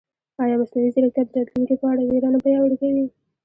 ایا مصنوعي ځیرکتیا د راتلونکي په اړه وېره نه پیاوړې کوي؟